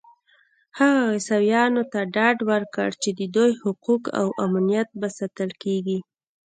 هغه عیسویانو ته ډاډ ورکړ چې د دوی حقوق او امنیت به ساتل کېږي.